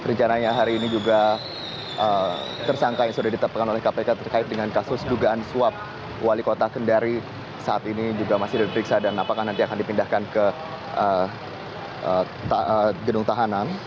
dan rencananya hari ini juga tersangka yang sudah ditepukan oleh kpk terkait dengan kasus dugaan suap wali kota kendari saat ini juga masih diperiksa dan apakah nanti akan dipindahkan ke gedung tahanan